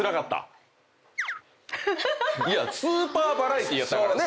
いやスーパーバラエティーやったからね